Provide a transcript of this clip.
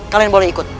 kalian boleh ikut